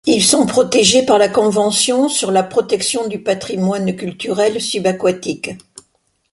Ils sont protégés par la Convention sur la protection du patrimoine culturel subaquatique.